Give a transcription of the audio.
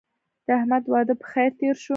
د احمد واده په خیر تېر شو.